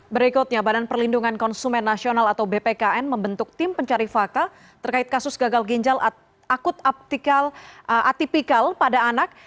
berikutnya badan perlindungan konsumen nasional atau bpkn membentuk tim pencari fakta terkait kasus gagal ginjal akut atipikal pada anak